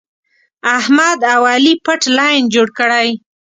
احمد او علي پټ لین جوړ کړی.